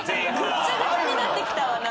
ぐちゃぐちゃになってきたわ。